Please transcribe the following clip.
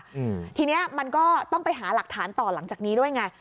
ทีเนี้ยมันก็ต้องไปหาหลักฐานต่อหลังจากนี้ด้วยไง